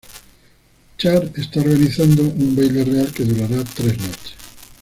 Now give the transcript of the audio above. Char está organizando un baile real que durará tres noches.